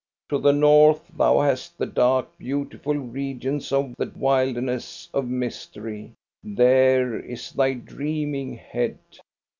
To the north thou hast the dark, beautiful regions of the wilder ness, of mystery. There is thy dreaming head.